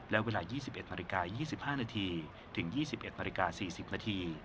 และเวลา๒๑นาฬิกา๒๕นาทีถึง๒๑นาฬิกา๔๐นาที